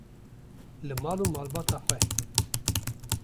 li mal û malbata xwe.